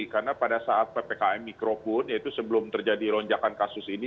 karena pada saat ppkm mikro pun yaitu sebelum terjadi lonjakan kasus ini